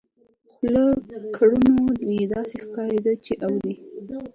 خو له کړنو يې داسې ښکارېده چې اوري.